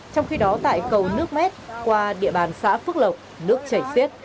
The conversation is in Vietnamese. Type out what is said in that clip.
trong khi đó tại cầu nước mét qua địa bàn xã phước lộc nước chảy xiết